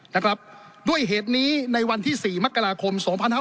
นะครับด้วยเหตุนี้ในวันที่๔มกราคม๒๕๖๒